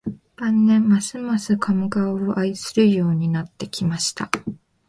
晩年、ますます加茂川を愛するようになってきました